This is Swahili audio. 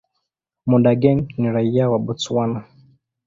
Monageng ni raia wa Botswana.